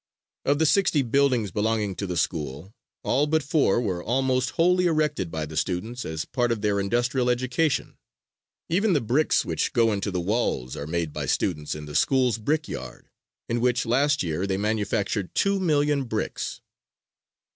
Of the sixty buildings belonging to the school all but four were almost wholly erected by the students as a part of their industrial education. Even the bricks which go into the walls are made by students in the school's brick yard, in which, last year, they manufactured two million bricks.